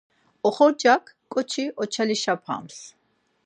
Oxorcak ǩoçi oçalişapaps.